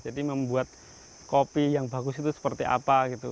jadi membuat kopi yang bagus itu seperti apa gitu